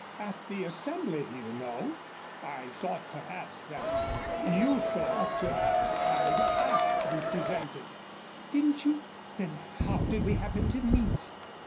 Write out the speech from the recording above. "At the Assembly, you know. I thought perhaps that you thought I'd asked to be presented." "Didn't you? Then, how did we happen to meet?"